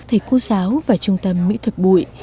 chúng tôi đến với trung tâm mỹ thuật bụi và trung tâm mỹ thuật bụi